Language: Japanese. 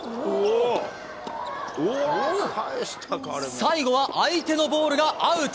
最後は相手のボールがアウト。